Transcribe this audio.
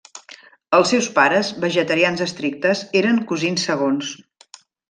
Els seus pares, vegetarians estrictes, eren cosins segons.